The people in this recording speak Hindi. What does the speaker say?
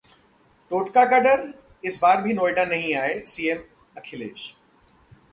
टोटके का डर! इस बार भी नोएडा नहीं आए सीएम अखिलेश